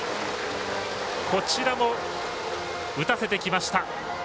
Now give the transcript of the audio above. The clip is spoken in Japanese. こちらも、打たせてきました。